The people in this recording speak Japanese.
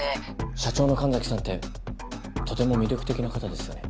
社長の神崎さんってとても魅力的な方ですよね。